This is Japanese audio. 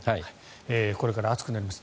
これから暑くなります。